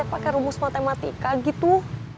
pakai rumus matematika gitu